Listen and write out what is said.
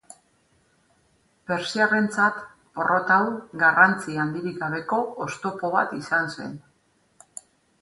Persiarrentzat, porrot hau, garrantzi handirik gabeko oztopo bat izan zen.